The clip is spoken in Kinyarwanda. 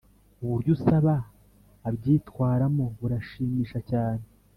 uburyo usaba abyitwaramo burashimisha cyane,